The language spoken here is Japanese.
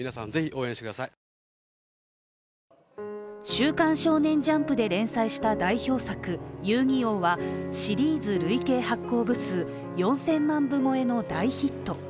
「週刊少年ジャンプ」で連載した代表作「遊☆戯☆王」はシリーズ累計発行部数４０００万部超えの大ヒット。